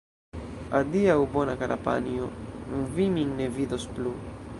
Adiaŭ, bona, kara panjo, vi min ne vidos plu!